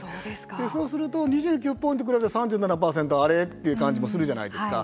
そうすると、２９ポイントに比べると３７％は、あれ？という感じもするじゃないですか。